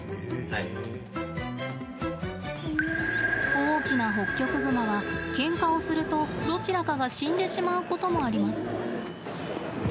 大きなホッキョクグマはけんかをするとどちらかが死んでしまうこともあります。